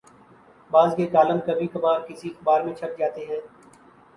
بعض کے کالم کبھی کبھارکسی اخبار میں چھپ جاتے ہیں۔